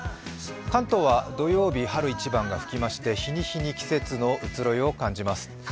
関東は土曜日、春一番が吹きまして日に日に季節の移ろいを感じます。